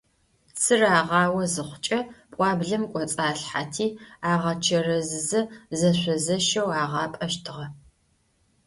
Цыр агъао зыхъукӏэ, пӏуаблэм кӏоцӏалъхьэти, агъэчэрэзызэ зэшъо-зэщэу агъапӏэщтыгъэ.